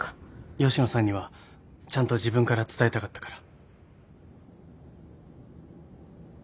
吉野さんにはちゃんと自分から伝えたかったから。